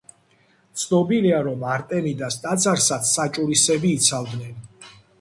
ცნობილია, რომ არტემიდას ტაძარსაც საჭურისები იცავდნენ.